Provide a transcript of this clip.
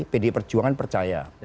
pdi perjuangan percaya